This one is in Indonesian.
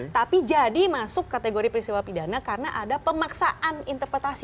tapi jadi masuk kategori peristiwa pidana karena ada pemaksaan interpretasi